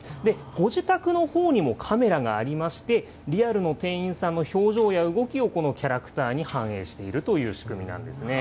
ご自宅のほうにもカメラがありまして、リアルの店員さんの表情や動きをこのキャラクターに反映しているという仕組みなんですね。